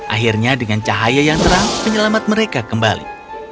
akhirnya dengan cahaya yang terang penyelamat mereka kembali